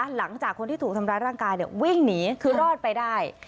หลังจากคนที่ถูกทำร้ายร่างกายวิ่งหนีคือรอดไปได้